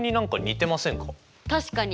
確かに！